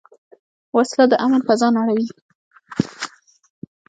وسله د امن فضا نړوي